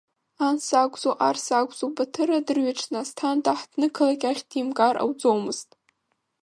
Анс акәзу, арс акәзу Баҭыр адырҩаҽны Асҭанда аҳҭны қалақь ахь димгар ауӡомызт.